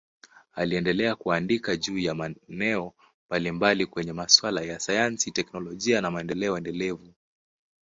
Aliendelea kuandika juu ya maeneo mbalimbali kwenye masuala ya sayansi, teknolojia na maendeleo endelevu.